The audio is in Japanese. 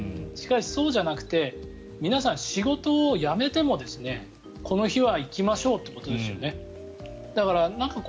しかし、そうじゃなくて皆さん、仕事をやめてもこの日は行きましょうということですよね。